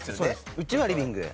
うちはリビングで。